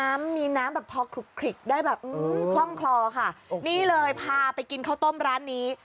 น้ำมีน้ำแบบพอคลุกคลิกได้แบบคล่องคลอค่ะนี่เลยพาไปกินข้าวต้มร้านนี้